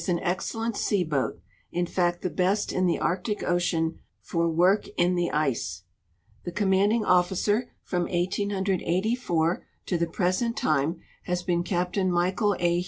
an excellent sea boat — in fact the best in the Arctic ocean for work in the ice. The commanding officer from 1884 to the present time has been Captain Michael A.